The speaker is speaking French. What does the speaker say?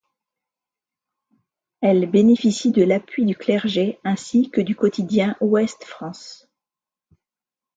Elle bénéficie de l'appui du clergé ainsi que du quotidien Ouest-France.